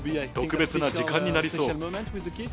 特別な時間になりそう。